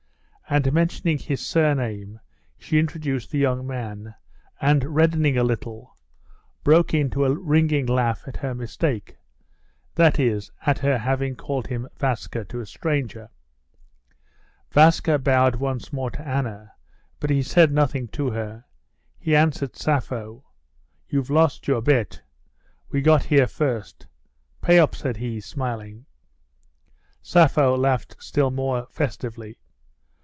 And mentioning his surname she introduced the young man, and reddening a little, broke into a ringing laugh at her mistake—that is, at her having called him Vaska to a stranger. Vaska bowed once more to Anna, but he said nothing to her. He addressed Sappho: "You've lost your bet. We got here first. Pay up," said he, smiling. Sappho laughed still more festively.